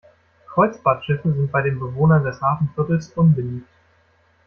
Kreuzfahrtschiffe sind bei den Bewohnern des Hafenviertels unbeliebt.